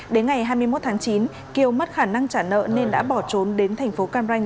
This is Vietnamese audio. đến ngày hai mươi một tháng chín kiều mất khả năng trả nợ nên đã bỏ trốn đến thành phố cam ranh